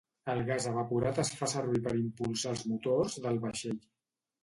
El gas evaporat es fa servir per impulsar els motors del vaixell.